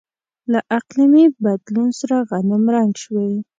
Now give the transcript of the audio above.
له اقلیمي بدلون سره غنمرنګ شوي.